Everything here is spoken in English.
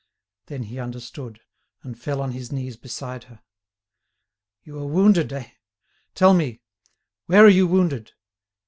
Then he understood, and fell on his knees beside her. "You are wounded, eh? tell me? Where are you wounded?"